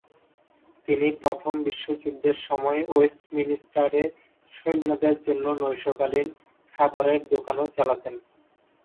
তিনি প্রথম বিশ্বযুদ্ধের সময় ওয়েস্টমিনস্টারে সৈন্যদের জন্য নৈশকালীন খাবারের দোকানও চালাতেন।